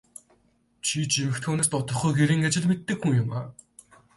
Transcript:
Чи ч эмэгтэй хүнээс дутахгүй гэрийн ажил мэддэг хүн юмаа.